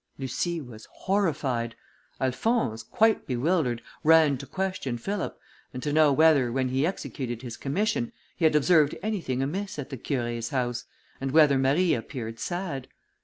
Lucie was horrified. Alphonse, quite bewildered, ran to question Philip, and to know whether, when he executed his commission, he had observed anything amiss at the Curé's house, and whether Marie appeared sad.